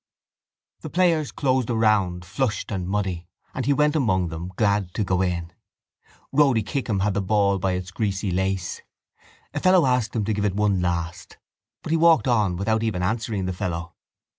The players closed around, flushed and muddy, and he went among them, glad to go in. Rody Kickham held the ball by its greasy lace. A fellow asked him to give it one last: but he walked on without even answering the fellow.